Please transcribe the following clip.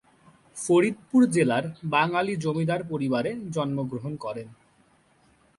ফরিদপুর জেলার বাঙালি জমিদার পরিবারে জন্মগ্রহণ করেন।